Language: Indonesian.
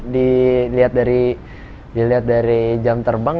dilihat dari jam terbang